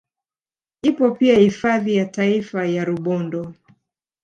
Ipo pia hifadhi ya taifa ya Rubondo